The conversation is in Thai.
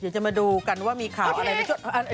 เดี๋ยวจะมาดูกันว่ามีข่าวอะไรในช่วงหน้าโอเค